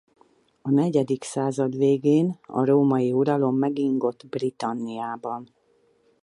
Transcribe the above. A negyedik század végén a római uralom megingott Britanniában.